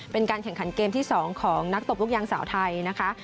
เป็นการแข่งขันเกมที่๒ของนักตบลูกยางสาวไทยนะคะ